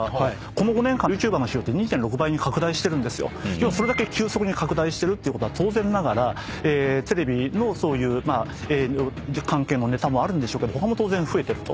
要はそれだけ急速に拡大してるってことは当然ながらテレビのそういう営業関係のネタもあるんでしょうけど他も当然増えてると。